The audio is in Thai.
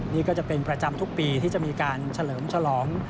นี่ก็จะเป็นประจำทุกปีที่จะมีการเฉลิมฉลอง